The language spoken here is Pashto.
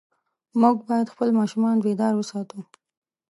موږ باید خپل ماشومان بیدار وساتو.